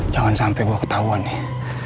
jangan sampe gue ketauan nih